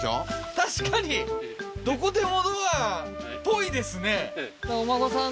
確かにどこでもドアっぽいですね